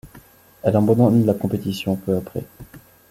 Elle abandonne la compétition peu après.